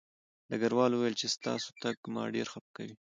ډګروال وویل چې ستاسو تګ ما ډېر خپه کوي